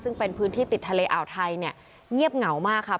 ซึ่งเป็นพื้นที่ติดทะเลอ่าวไทยเนี่ยเงียบเหงามากค่ะ